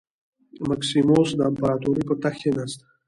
مکسیموس د امپراتورۍ پر تخت کېناست